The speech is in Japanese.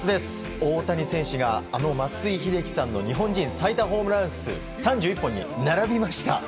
大谷選手が、あの松井秀喜さんの日本人最多ホームラン数３１本に並びました。